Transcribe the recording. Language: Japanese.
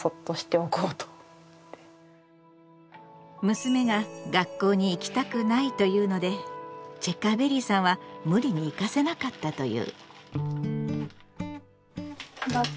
娘が「学校に行きたくない」と言うのでチェッカーベリーさんは無理に行かせなかったという。